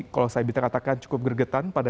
kalau saya bisa katakan cukup gregetan pada